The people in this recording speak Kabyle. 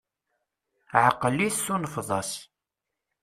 Ɛeqel-it tunefeḍ-as!